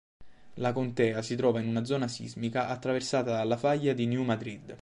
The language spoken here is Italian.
La contea si trova in una zona sismica attraversata dalla faglia di New Madrid.